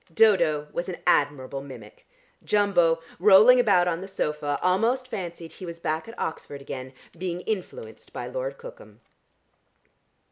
Dodo was an admirable mimic. Jumbo, rolling about on the sofa almost fancied he was back at Oxford again being influenced by Lord Cookham.